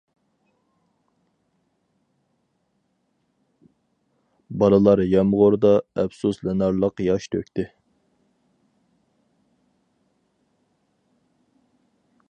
بالىلار يامغۇردا ئەپسۇسلىنارلىق ياش تۆكتى.